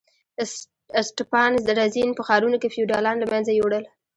اسټپان رزین په ښارونو کې فیوډالان له منځه یوړل.